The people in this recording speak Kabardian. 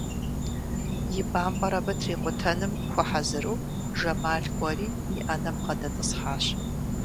И бампӀэр абы трикъутэным хуэхьэзыру Жэмал кӀуэри и ӏэнэм бгъэдэтӀысхьащ.